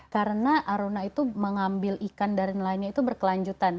karena aruna itu mengambil ikan dari nelayan itu berkelanjutan